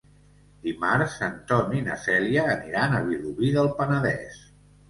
Dimarts en Ton i na Cèlia aniran a Vilobí del Penedès.